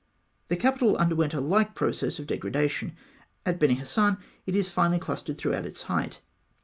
The capital underwent a like process of degradation. At Beni Hasan, it is finely clustered throughout its height.